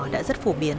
đã rất phổ biến